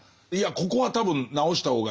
ここは多分直した方がいい。